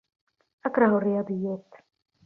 أكره الرياضيات.